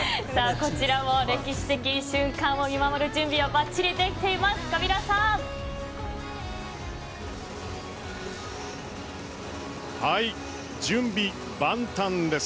こちらも歴史的瞬間を見守る準備はバッチリできています。